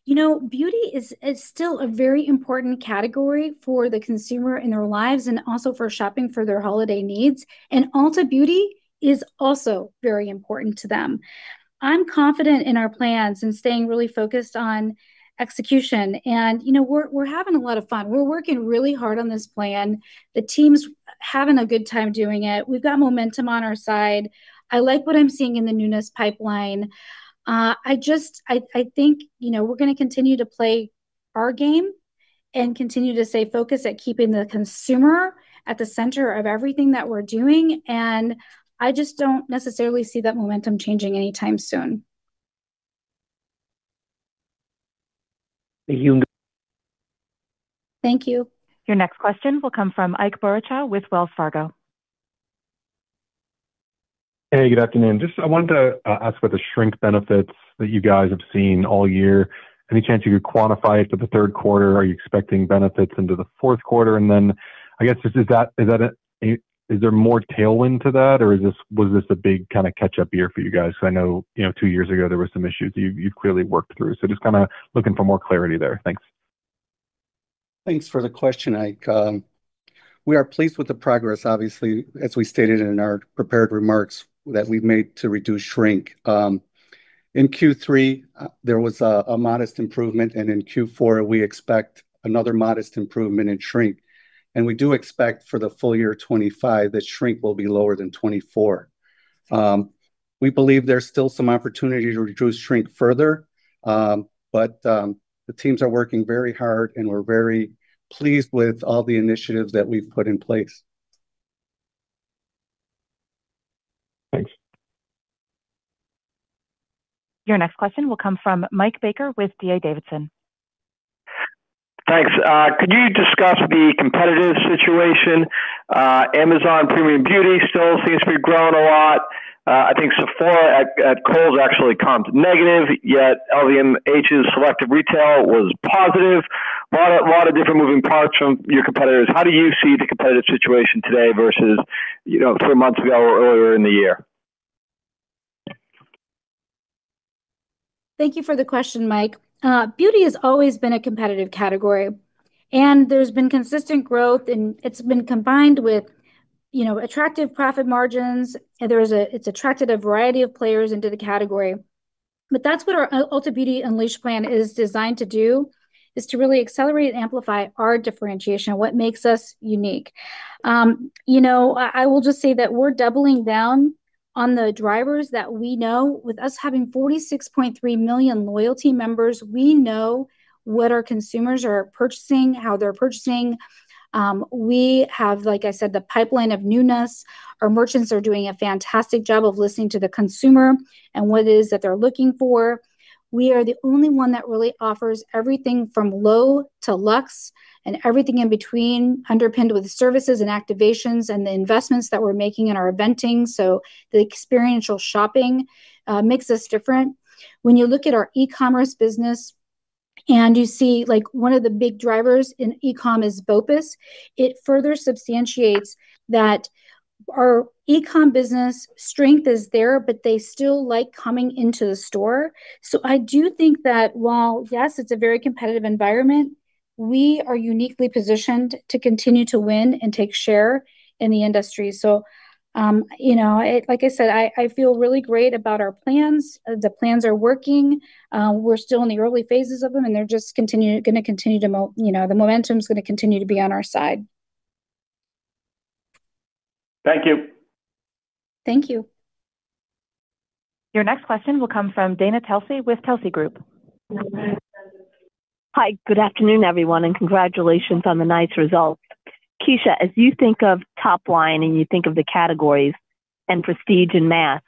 C: You know beauty is still a very important category for the consumer in their lives and also for shopping for their holiday needs. And Ulta Beauty is also very important to them. I'm confident in our plans and staying really focused on execution. And we're having a lot of fun. We're working really hard on this plan. The team's having a good time doing it. We've got momentum on our side. I like what I'm seeing in the newness pipeline. I think we're going to continue to play our game and continue to stay focused at keeping the consumer at the center of everything that we're doing. And I just don't necessarily see that momentum changing anytime soon.
K: Thank you.
C: Thank you.
A: Your next question will come from Ike Boruchow with Wells Fargo.
L: Hey, good afternoon. Just I wanted to ask about the shrink benefits that you guys have seen all year. Any chance you could quantify it for the third quarter? Are you expecting benefits into the fourth quarter? And then I guess is there more tailwind to that, or was this a big kind of catch-up year for you guys? Because I know two years ago there were some issues you've clearly worked through. So just kind of looking for more clarity there. Thanks.
D: Thanks for the question, Ike. We are pleased with the progress, obviously, as we stated in our prepared remarks that we've made to reduce shrink. In Q3, there was a modest improvement, and in Q4, we expect another modest improvement in shrink. And we do expect for the full year 2025 that shrink will be lower than 2024. We believe there's still some opportunity to reduce shrink further, but the teams are working very hard, and we're very pleased with all the initiatives that we've put in place. Thanks.
A: Your next question will come from Mike Baker with D.A. Davidson.
M: Thanks. Could you discuss the competitive situation? Amazon Premium Beauty still seems to be growing a lot. I think Sephora at Kohl's actually comped negative, yet LVMH's selective retail was positive. A lot of different moving parts from your competitors. How do you see the competitive situation today versus three months ago or earlier in the year?
C: Thank you for the question, Mike. Beauty has always been a competitive category, and there's been consistent growth, and it's been combined with attractive profit margins. It's attracted a variety of players into the category, but that's what our Ulta Beauty Unleashed plan is designed to do, is to really accelerate and amplify our differentiation, what makes us unique. I will just say that we're doubling down on the drivers that we know. With us having 46.3 million loyalty members, we know what our consumers are purchasing, how they're purchasing. We have, like I said, the pipeline of newness. Our merchants are doing a fantastic job of listening to the consumer and what it is that they're looking for. We are the only one that really offers everything from low to luxe and everything in between, underpinned with services and activations and the investments that we're making in our eventing. So the experiential shopping makes us different. When you look at our e-commerce business and you see one of the big drivers in e-com is BOPUS, it further substantiates that our e-com business strength is there, but they still like coming into the store. So I do think that while, yes, it's a very competitive environment, we are uniquely positioned to continue to win and take share in the industry. So like I said, I feel really great about our plans. The plans are working. We're still in the early phases of them, and they're just going to continue to move. The momentum is going to continue to be on our side.
M: Thank you.
C: Thank you.
A: Your next question will come from Dana Telsey with Telsey Group.
N: Hi. Good afternoon, everyone, and congratulations on the nice results. Kecia, as you think of top line and you think of the categories and prestige and mass,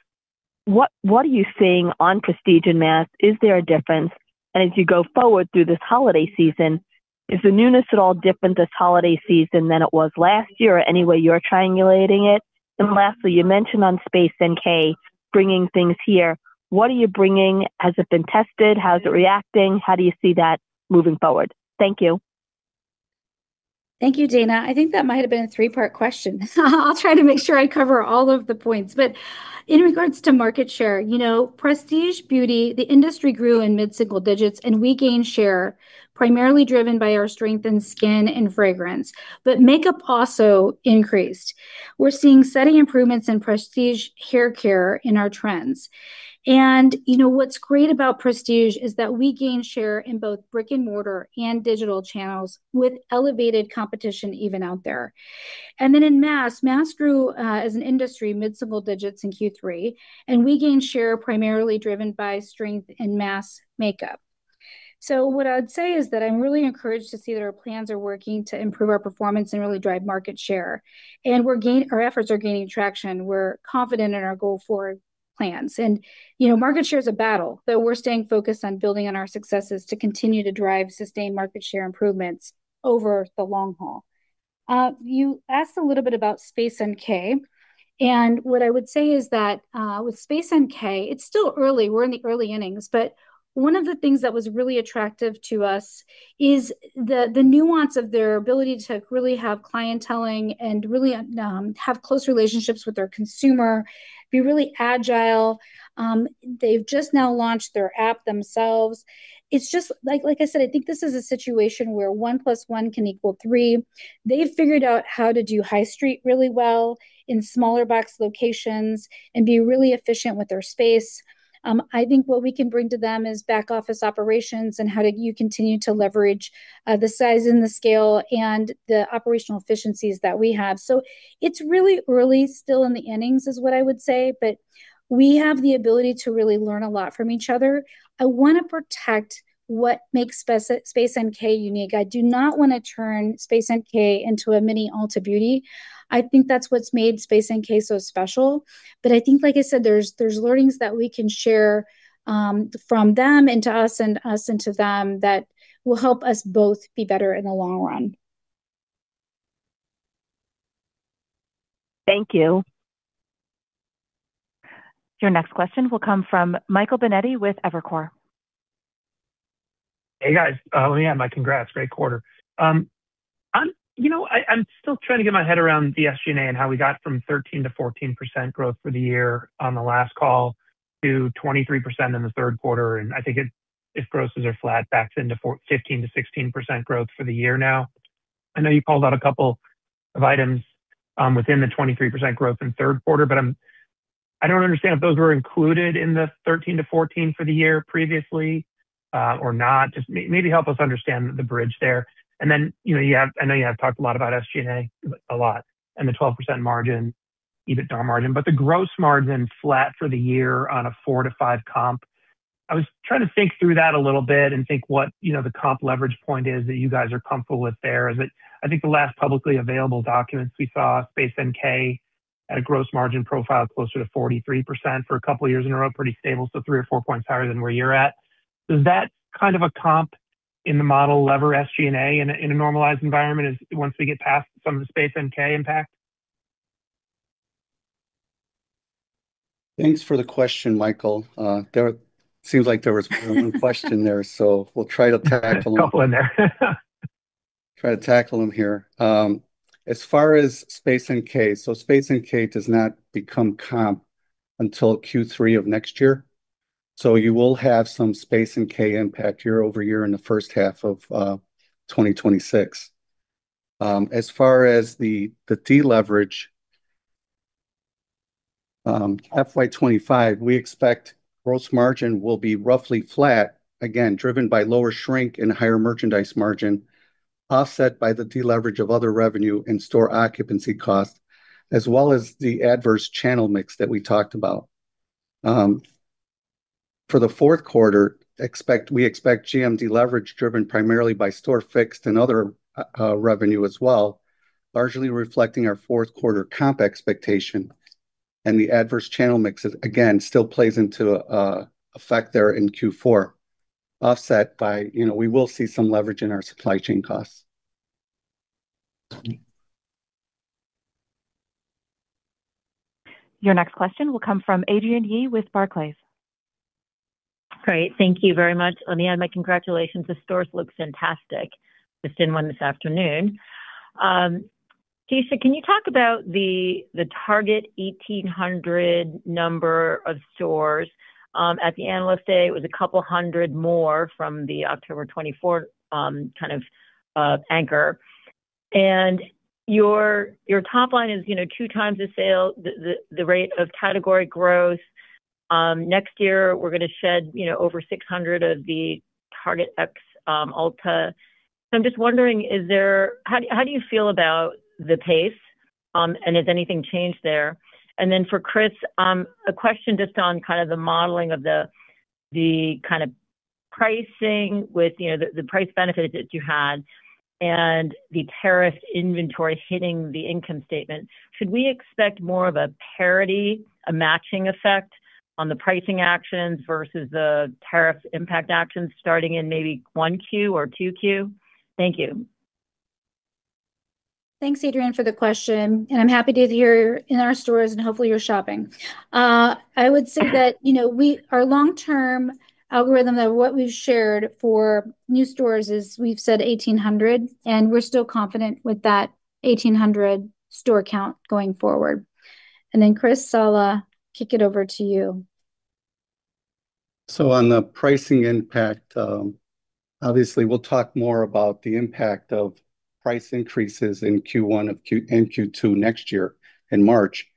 N: what are you seeing on prestige and mass? Is there a difference? And as you go forward through this holiday season, is the newness at all different this holiday season than it was last year? Any way you're triangulating it? And lastly, you mentioned on Space NK bringing things here. What are you bringing? Has it been tested? How's it reacting? How do you see that moving forward? Thank you.
C: Thank you, Dana. I think that might have been a three-part question. I'll try to make sure I cover all of the points. But in regards to market share, prestige beauty, the industry grew in mid-single digits, and we gained share primarily driven by our strength in skin and fragrance. But makeup also increased. We're seeing steady improvements in prestige hair care in our trends. And what's great about prestige is that we gain share in both brick-and-mortar and digital channels with elevated competition even out there. And then in mass beauty, mass beauty grew as an industry mid-single digits in Q3, and we gained share primarily driven by strength in mass makeup. So what I'd say is that I'm really encouraged to see that our plans are working to improve our performance and really drive market share. And our efforts are gaining traction. We're confident in our goal for plans. Market share is a battle, though we're staying focused on building on our successes to continue to drive sustained market share improvements over the long haul. You asked a little bit about Space NK. What I would say is that with Space NK, it's still early. We're in the early innings. One of the things that was really attractive to us is the nuance of their ability to really have clientele and really have close relationships with their consumer, be really agile. They've just now launched their app themselves. It's just like I said, I think this is a situation where one plus one can equal three. They've figured out how to do high street really well in smaller box locations and be really efficient with their space. I think what we can bring to them is back office operations and how do you continue to leverage the size and the scale and the operational efficiencies that we have. So it's really early still in the innings is what I would say, but we have the ability to really learn a lot from each other. I want to protect what makes Space NK unique. I do not want to turn Space NK into a mini Ulta Beauty. I think that's what's made Space NK so special. But I think, like I said, there's learnings that we can share from them and to us and us and to them that will help us both be better in the long run.
N: Thank you. Your next question will come from Michael Binetti with Evercore.
O: Hey, guys. Liane, my congrats. Great quarter. I'm still trying to get my head around the SG&A and how we got from 13%-14% growth for the year on the last call to 23% in the third quarter. And I think if growths are flat, back to 15%-16% growth for the year now. I know you called out a couple of items within the 23% growth in third quarter, but I don't understand if those were included in the 13%-14% for the year previously or not. Just maybe help us understand the bridge there. And then I know you have talked a lot about SG&A, a lot, and the 12% margin, EBITDA margin. But the gross margin flat for the year on a four to five comp, I was trying to think through that a little bit and think what the comp leverage point is that you guys are comfortable with there. I think the last publicly available documents we saw, Space NK had a gross margin profile closer to 43% for a couple of years in a row, pretty stable, so three or four points higher than where you're at. Does that kind of a comp in the model leverage SG&A in a normalized environment once we get past some of the Space NK impact?
D: Thanks for the question, Michael. It seems like there was one question there, so we'll try to tackle them. Try to tackle them here. As far as Space NK, so Space NK does not become comp until Q3 of next year. So you will have some Space NK impact year-over-year in the first half of 2026. As far as the deleverage, FY25, we expect gross margin will be roughly flat, again, driven by lower shrink and higher merchandise margin, offset by the deleverage of other revenue and store occupancy costs, as well as the adverse channel mix that we talked about. For the fourth quarter, we expect GM deleverage driven primarily by store fixed and other revenue as well, largely reflecting our fourth quarter comp expectation. And the adverse channel mix, again, still plays into effect there in Q4, offset by we will see some leverage in our supply chain costs.
A: Your next question will come from Adrienne Yih with Barclays.
P: Great. Thank you very much. Kecia, my congratulations. The stores look fantastic. Just in one this afternoon. Kecia, can you talk about the target 1,800 number of stores? At the Analyst Day, it was a couple hundred more from the October 2024 kind of anchor. And your top line is two times the sales rate of category growth. Next year, we're going to shed over 600 of the target ex Ulta. So I'm just wondering, how do you feel about the pace? And has anything changed there? And then for Chris, a question just on kind of the modeling of the kind of pricing with the price benefits that you had and the tariff inventory hitting the income statement. Should we expect more of a parity, a matching effect on the pricing actions versus the tariff impact actions starting in maybe 1Q or 2Q? Thank you.
C: Thanks, Adrienne, for the question. And I'm happy to hear in our stores and hopefully your shopping. I would say that our long-term target that we've shared for new stores is we've said 1,800, and we're still confident with that 1,800 store count going forward. Then Chris, I'll kick it over to you.
D: On the pricing impact, obviously, we'll talk more about the impact of price increases in Q1 and Q2 next year in March.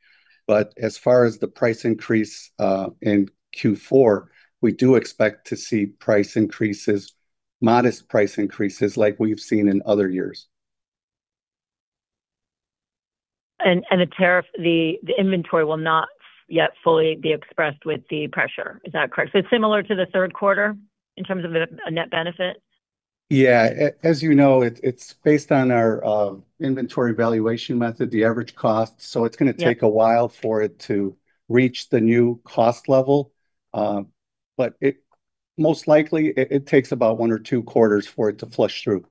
D: As far as the price increase in Q4, we do expect to see price increases, modest price increases like we've seen in other years.
P: And the tariff, the inventory will not yet fully be expressed with the pressure. Is that correct? It's similar to the third quarter in terms of a net benefit?
D: Yeah. As you know, it's based on our inventory valuation method, the average cost. It's going to take a while for it to reach the new cost level. But most likely, it takes about one or two quarters for it to flush through.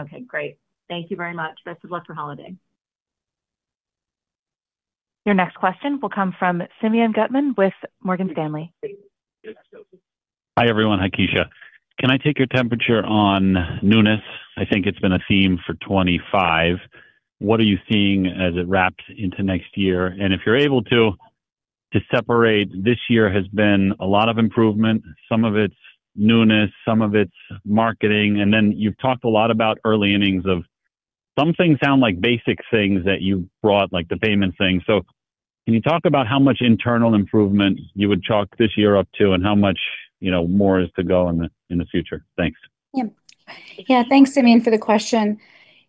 P: Okay. Great. Thank you very much. Best of luck for holiday.
A: Your next question will come from Simeon Gutman with Morgan Stanley.
Q: Hi everyone. Hi, Kecia. Can I take your temperature on newness? I think it's been a theme for 2025. What are you seeing as it wraps into next year? And if you're able to separate, this year has been a lot of improvement, some of its newness, some of its marketing. And then you've talked a lot about early innings of some things sound like basic things that you brought, like the payment thing. So can you talk about how much internal improvement you would chalk this year up to and how much more is to go in the future? Thanks.
C: Yeah. Yeah. Thanks, Simeon, for the question.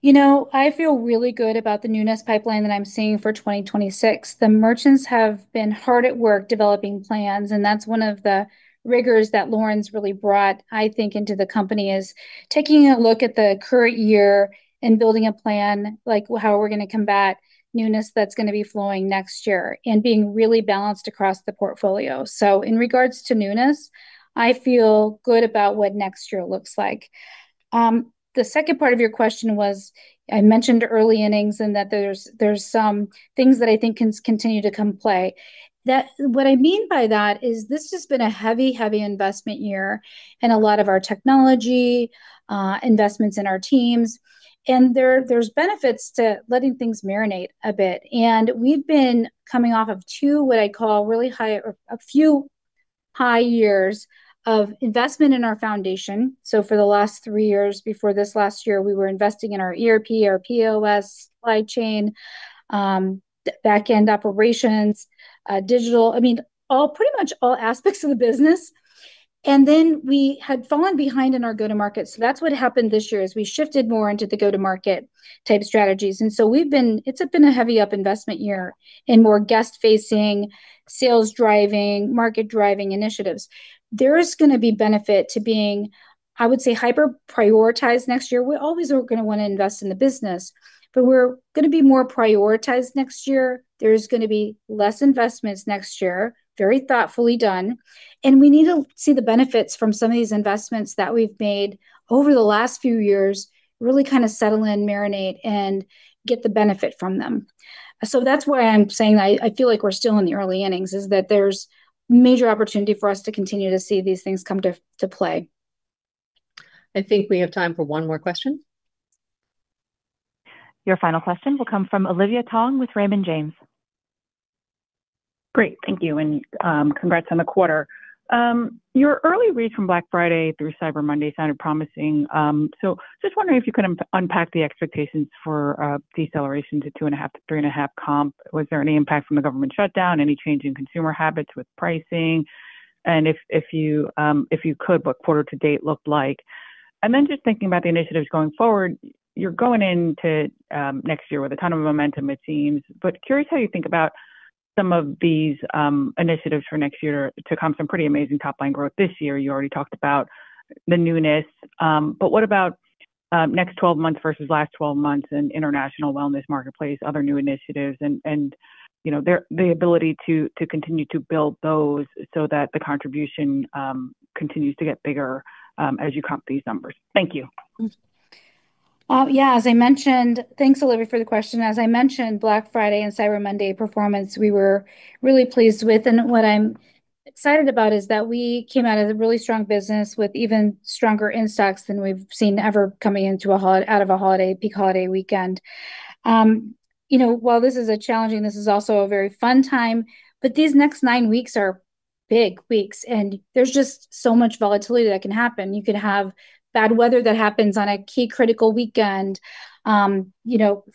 C: You know I feel really good about the newness pipeline that I'm seeing for 2026. The merchants have been hard at work developing plans. And that's one of the rigors that Lauren's really brought, I think, into the company is taking a look at the current year and building a plan, like how are we going to combat newness that's going to be flowing next year and being really balanced across the portfolio. So in regards to newness, I feel good about what next year looks like. The second part of your question was I mentioned early innings and that there's some things that I think can continue to come play. What I mean by that is this has been a heavy, heavy investment year in a lot of our technology investments in our teams. And there's benefits to letting things marinate a bit. We've been coming off of two, what I call really high, a few high years of investment in our foundation. For the last three years before this last year, we were investing in our ERP, our POS, supply chain, back-end operations, digital, I mean, pretty much all aspects of the business. Then we had fallen behind in our go-to-market. That's what happened this year is we shifted more into the go-to-market type strategies. It's been a heavy-up investment year in more guest-facing, sales-driving, market-driving initiatives. There is going to be benefit to being, I would say, hyper-prioritized next year. We always are going to want to invest in the business, but we're going to be more prioritized next year. There's going to be less investments next year, very thoughtfully done. We need to see the benefits from some of these investments that we've made over the last few years really kind of settle in, marinate, and get the benefit from them. So that's why I'm saying I feel like we're still in the early innings is that there's major opportunity for us to continue to see these things come to play.
B: I think we have time for one more question.
A: Your final question will come from Olivia Tong with Raymond James.
R: Great. Thank you. And congrats on the quarter. Your early read from Black Friday through Cyber Monday sounded promising. So just wondering if you could unpack the expectations for deceleration to 2.5-3.5 comp. Was there any impact from the government shutdown? Any change in consumer habits with pricing? And if you could, what quarter to date looked like? And then just thinking about the initiatives going forward, you're going into next year with a ton of momentum, it seems. But curious how you think about some of these initiatives for next year to come some pretty amazing top-line growth this year. You already talked about the newness. But what about next 12 months versus last 12 months and international wellness marketplace, other new initiatives, and the ability to continue to build those so that the contribution continues to get bigger as you comp these numbers? Thank you.
C: Yeah. As I mentioned, thanks, Olivia, for the question. As I mentioned, Black Friday and Cyber Monday performance, we were really pleased with. And what I'm excited about is that we came out of a really strong business with even stronger insights than we've seen ever coming out of a holiday, peak holiday weekend. While this is challenging, this is also a very fun time. But these next nine weeks are big weeks. And there's just so much volatility that can happen. You can have bad weather that happens on a key critical weekend. Who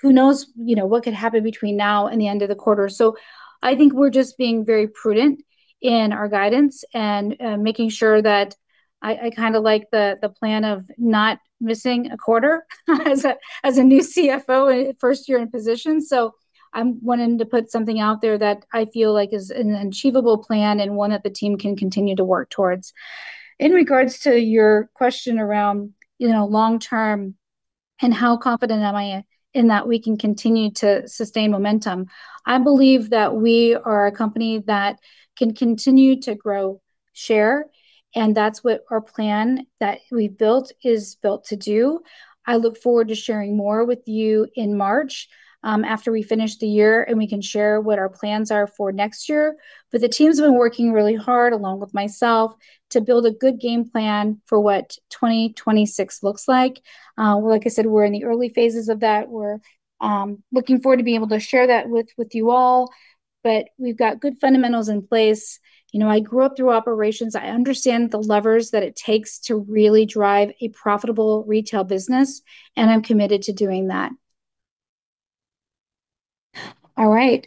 C: knows what could happen between now and the end of the quarter? So I think we're just being very prudent in our guidance and making sure that I kind of like the plan of not missing a quarter as a new CFO and first year in position. So I'm wanting to put something out there that I feel like is an achievable plan and one that the team can continue to work towards. In regards to your question around long-term and how confident am I in that we can continue to sustain momentum, I believe that we are a company that can continue to grow share. And that's what our plan that we've built is built to do. I look forward to sharing more with you in March after we finish the year and we can share what our plans are for next year. But the team's been working really hard along with myself to build a good game plan for what 2026 looks like. Like I said, we're in the early phases of that. We're looking forward to being able to share that with you all. But we've got good fundamentals in place. I grew up through operations. I understand the levers that it takes to really drive a profitable retail business. And I'm committed to doing that. All right.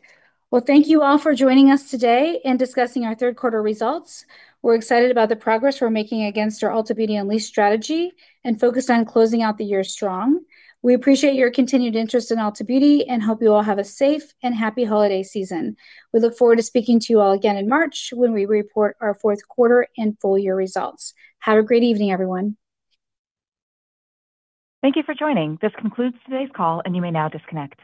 C: Well, thank you all for joining us today and discussing our third quarter results. We're excited about the progress we're making against our Ulta Beauty Unleashed strategy and focused on closing out the year strong. We appreciate your continued interest in Ulta Beauty and hope you all have a safe and happy holiday season. We look forward to speaking to you all again in March when we report our fourth quarter and full year results. Have a great evening, everyone.
A: Thank you for joining. This concludes today's call, and you may now disconnect.